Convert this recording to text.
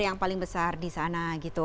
yang paling besar di sana gitu